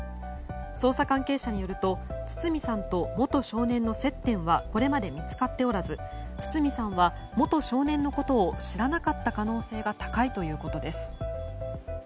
捜査関係者によると堤さんと元少年の接点はこれまで見つかっておらず堤さんは元少年のことを知らなかった可能性が高いということです。